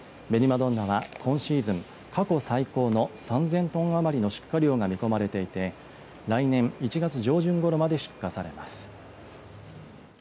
どんなは、今シーズン過去最高の３０００トンあまりの出荷量が見込まれていて来年１月上旬ごろまで出荷されます。